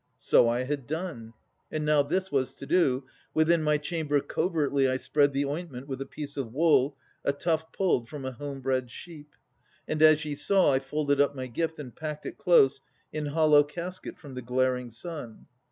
So I had done. And now this was to do, Within my chamber covertly I spread The ointment with piece of wool, a tuft Pulled from a home bred sheep; and, as ye saw, I folded up my gift and packed it close In hollow casket from the glaring sun.